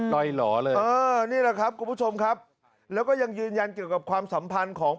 ลอยหล่อเลยเออนี่แหละครับคุณผู้ชมครับแล้วก็ยังยืนยันเกี่ยวกับความสัมพันธ์ของ